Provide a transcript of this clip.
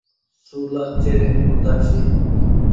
سُولا چيرين کوۮاشيَ۔